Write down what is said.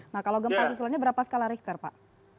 nah kalau gempa susulannya berapa skala richter pak